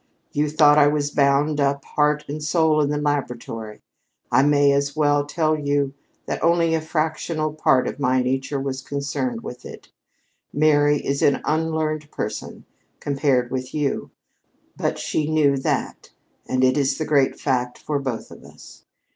You thought I was bound up heart and soul in the laboratory. I may as well tell you that only a fractional part of my nature was concerned with it. Mary is an unlearned person compared with you, but she knew that, and it is the great fact for both of us.